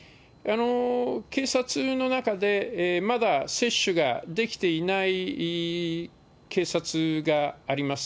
警察の中で、まだ接種ができていない警察があります。